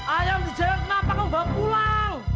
ayam di jalan kenapa kamu bawa pulang